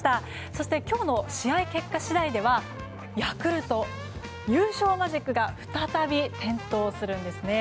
そして、今日の試合結果次第ではヤクルト、優勝マジックが再び点灯するんですね。